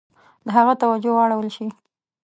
د هغه توجه واړول شي.